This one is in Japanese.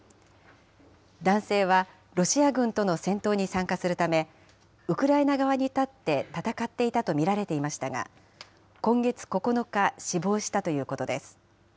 男性はロシア軍との戦闘に参加するため、ウクライナ側に立って戦っていたと見られていましたが、今月９日、死亡したということです。